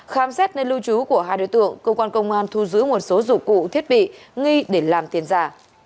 khám xét nơi lưu trú của hai đối tượng cơ quan công an thu giữ một số dụng cụ thiết bị nghi để làm tiền giả